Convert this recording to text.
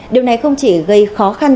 điều này không chỉ gây khó khăn